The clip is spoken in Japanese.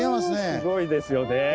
すごいですよね